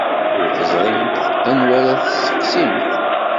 Ur teẓrimt anwa ara tesseqsimt.